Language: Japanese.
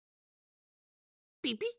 ピピッ？